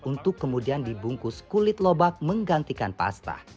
untuk kemudian dibungkus kulit lobak menggantikan pasta